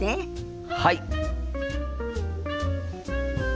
はい！